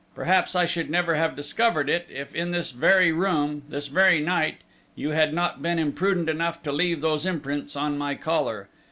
Perhaps I should never have discovered it, if in this very room, this very night, you had not been imprudent enough to leave those imprints on my collar!...